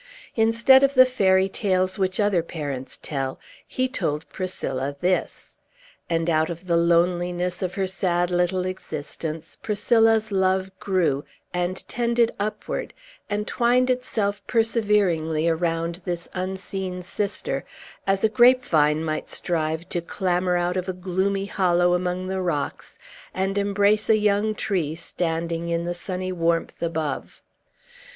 Instead of the fairy tales which other parents tell, he told Priscilla this. And, out of the loneliness of her sad little existence, Priscilla's love grew, and tended upward, and twined itself perseveringly around this unseen sister; as a grapevine might strive to clamber out of a gloomy hollow among the rocks, and embrace a young tree standing in the sunny warmth above.